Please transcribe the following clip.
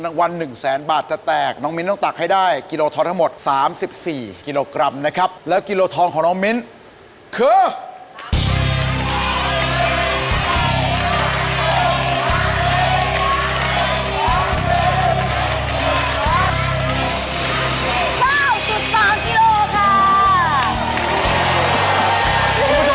และนี่คือหัวท้องคำอันทรงเกียจ